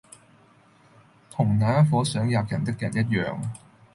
同那一夥想喫人的人一樣。